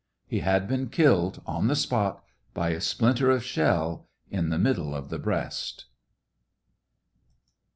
He had been killed on the spot by a splinter of shell, in the middle of the breast.